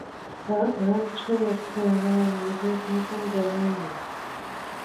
これはあながち主人が好きという訳ではないが別に構い手がなかったからやむを得んのである